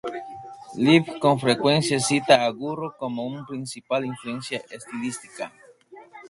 Lif con frecuencia cita a Guru como una principal influencia estilística.